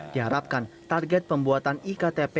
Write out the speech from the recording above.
diharapkan target pembuatan iktp